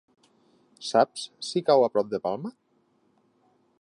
Saps si cau a prop de Palma?